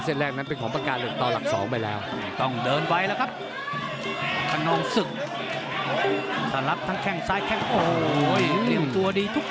เส้นตีแรกไปขอมพาการเรียกต่อหลักสองไปแล้ว